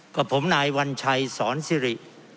กับผมนายวัญชัยสอนสิริ